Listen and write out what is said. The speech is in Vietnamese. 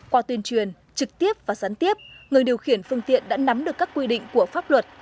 qua tuyên truyền trực tiếp và gián tiếp người điều khiển phương tiện đã nắm được các quy định của pháp luật